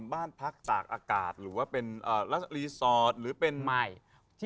เข้าจอมก็ว่าด่ากรี๊ดซาด